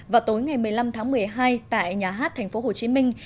vào tối ngày một mươi năm tháng một mươi hai tại nhà hát thành phố hồ chí minh